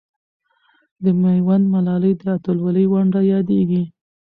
د میوند ملالۍ د اتلولۍ ونډه یادېږي.